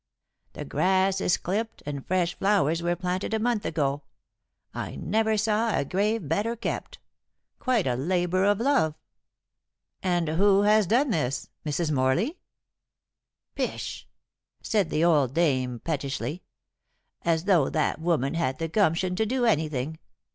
The grass is clipped, and fresh flowers were planted a month ago. I never saw a grave better kept. Quite a labor of love." "And who has done this? Mrs. Morley?" "Pish!" said the old dame pettishly. "As though that woman had the gumption to do anything.